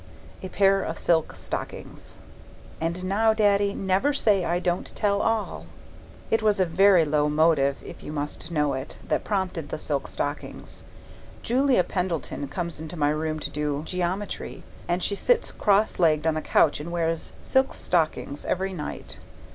A pair of silk stockings. And now, Daddy, never say I don't tell all! It was a very low motive, if you must know it, that prompted the silk stockings. Julia Pendleton comes into my room to do geometry, and she sits cross legged on the couch and wears silk stockings every night.